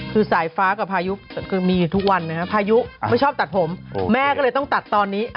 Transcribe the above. คือสายฟ้ากับพายุคือมีอยู่ทุกวันนะครับพายุไม่ชอบตัดผมแม่ก็เลยต้องตัดตอนนี้